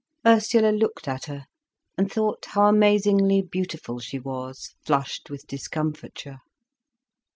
Ursula looked at her, and thought how amazingly beautiful she was, flushed with discomfiture.